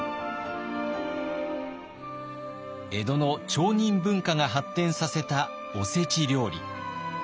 江戸の町人文化が発展させたおせち料理。